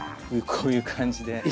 こういう感じで。